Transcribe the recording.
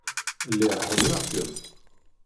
Lliɣ ḥemmleɣ-kem.